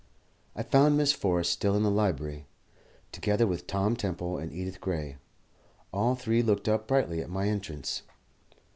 I found Miss Forrest still in the library, together with Tom Temple and Edith Gray. All three looked up brightly at my entrance.